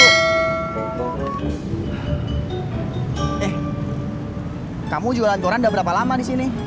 eh kamu jualan turan udah berapa lama di sini